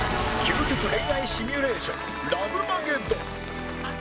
究極恋愛シミュレーションラブマゲドン